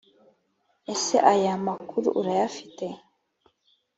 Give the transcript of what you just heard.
ese ayo makuru urayafite?